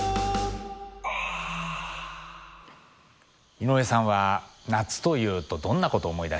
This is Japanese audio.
井上さんは夏というとどんなことを思い出しますか？